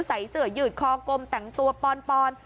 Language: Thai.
ใส่เสื้อยืดคอกลมแต่งตัวปอน